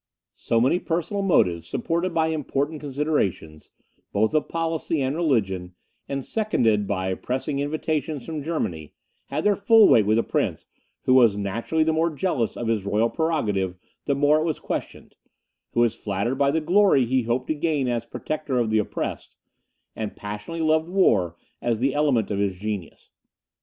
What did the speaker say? So many personal motives, supported by important considerations, both of policy and religion, and seconded by pressing invitations from Germany, had their full weight with a prince, who was naturally the more jealous of his royal prerogative the more it was questioned, who was flattered by the glory he hoped to gain as Protector of the Oppressed, and passionately loved war as the element of his genius.